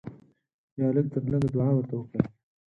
یا لږ تر لږه دعا ورته وکړئ.